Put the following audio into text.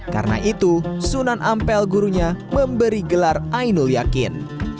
karena itu sunan ampel gurunya memberi gelar ainul yakin